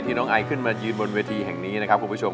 น้องไอขึ้นมายืนบนเวทีแห่งนี้นะครับคุณผู้ชม